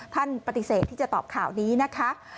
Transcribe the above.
ท่านปฏิเสธที่จะตอบข่าวนี้นะคะ